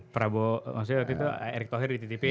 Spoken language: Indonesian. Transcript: prabowo maksudnya waktu itu erik thohir di ttp gitu